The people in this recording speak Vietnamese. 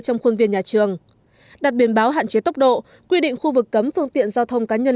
trong khuôn viên nhà trường đặt biển báo hạn chế tốc độ quy định khu vực cấm phương tiện giao thông cá nhân